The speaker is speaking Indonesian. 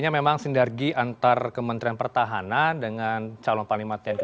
yang dilakukan oleh seorang panglima tni